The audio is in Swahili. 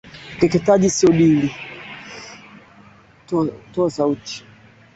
Kikosi hicho ni sehemu ya idadi kubwa ya wanajeshi elfu tano wa Marekani waliotumwa Poland katika wiki za karibuni